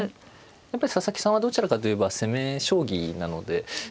やっぱり佐々木さんはどちらかといえば攻め将棋なので先手玉を見て。